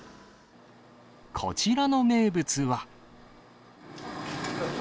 こちらの名物は。